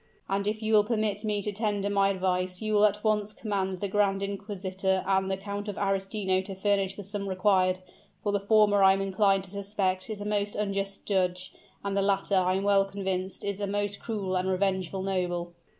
"And if you will permit me to tender my advice, you will at once command the grand inquisitor and the Count of Arestino to furnish the sum required: for the former, I am inclined to suspect, is a most unjust judge, and the latter, I am well convinced, is a most cruel and revengeful noble."